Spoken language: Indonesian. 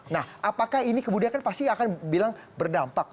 nah apakah ini kemudian kan pasti akan bilang berdampak